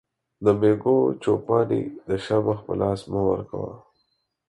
د مېږو چو پاني د شرمښ په لاس مه ورکوه.